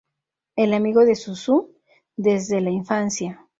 El amigo de Suzu desde la infancia.